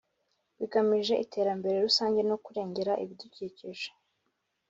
bigamije iterambere rusange no kurengera ibidukikije